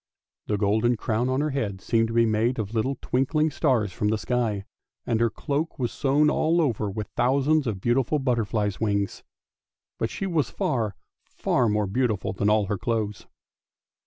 The golden crown on her head seemed to be made of little twink ling stars from the sky; and her cloak was sewn all over with thousands of beautiful butterflies' wings. But she was far, far more beautiful than all her clothes.